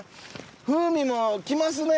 風味もきますね。